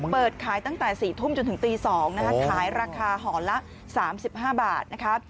เปิดขายตั้งแต่๔ทุ่มจนถึงตี๒นะคะขายราคาห่อละ๓๕บาทนะคะ